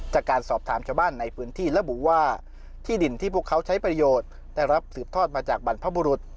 จากการสอบถามชาวบ้านในพื้นที่ระบุว่าที่ดินที่พวกเขาใช้ประโยชน์ได้รับสืบทอดมาจากบรรพบุรุษ